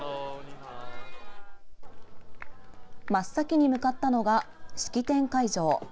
真っ先に向かったのが式典会場。